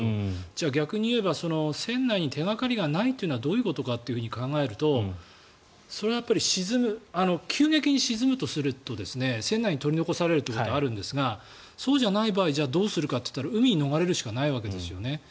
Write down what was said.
じゃあ、逆にいえば船内に手掛かりがないというのはどういうことかと考えるとそれはやっぱり急激に沈むとすると船内に取り残されるということがあるんですがそうじゃない場合どうするかといったら海に逃れるしかないわけです。